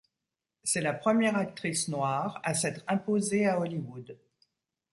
C'est la première actrice noire à s'être imposée à Hollywood.